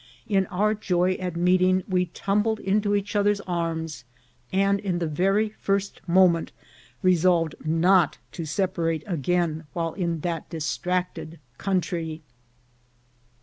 In our joy at meeting we tumbled into each other's arms, and in the very first moment resolved not to separate again while in that distracted country.